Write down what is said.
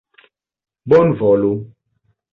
Bonvolu!